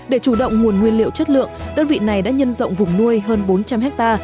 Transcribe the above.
để chủ động nguồn nguyên liệu chất lượng đơn vị này đã nhân rộng vùng nuôi hơn bốn trăm linh ha